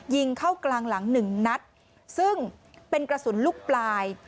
ยิงเข้ากลางหลังหนึ่งนัดซึ่งเป็นกระสุนลูกปลาย